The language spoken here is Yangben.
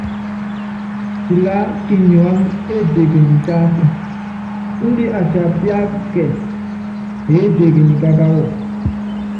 Kilaá kinyuána étekenyi tásɛ, índɛ asiapíaka kíɛ eétekenyi kákáwɔ.